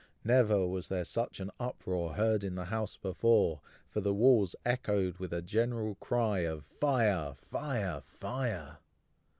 Never was there such an uproar heard in the house before, for the walls echoed with a general cry of "Fire! fire! fire!"